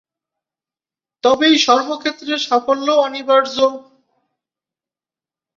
তবেই সবক্ষেত্রে সাফল্য অনিবার্য।